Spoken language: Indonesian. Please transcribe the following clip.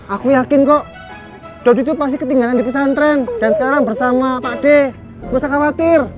aku yakin kok itu pasti ketinggalan di pesantren dan sekarang bersama padeh